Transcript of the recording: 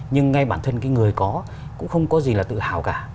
nhưng ngay bản thân cái người có cũng không có gì là tự hào cả